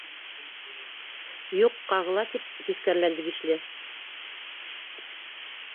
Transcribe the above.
—Юҡ, ҡағыла, —тип тиҫкәреләнде Бишле.